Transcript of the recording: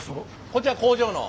こちらの工場の？